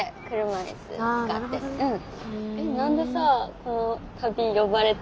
うん。